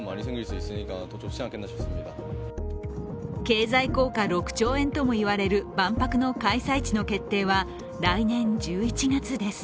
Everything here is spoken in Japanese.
経済効果６兆円とも言われる万博の開催地の決定は来年１１月です。